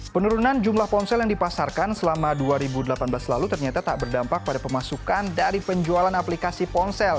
penurunan jumlah ponsel yang dipasarkan selama dua ribu delapan belas lalu ternyata tak berdampak pada pemasukan dari penjualan aplikasi ponsel